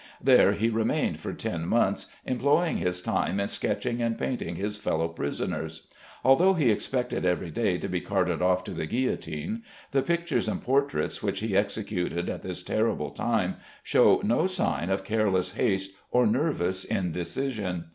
There he remained for ten months, employing his time in sketching and painting his fellow prisoners. Although he expected every day to be carted off to the guillotine, the pictures and portraits which he executed at this terrible time show no sign of careless haste or nervous indecision.